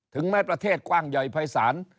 แม้ประเทศกว้างใหญ่ภายศาล